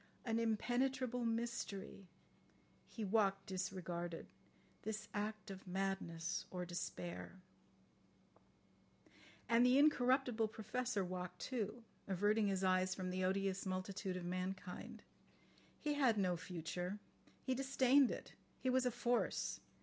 "An impenetrable mystery. ..." He walked disregarded. ... "This act of madness or despair." And the incorruptible Professor walked too, averting his eyes from the odious multitude of mankind. He had no future. He disdained it. He was a force.